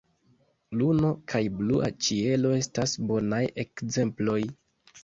Luno kaj blua ĉielo estas bonaj ekzemploj.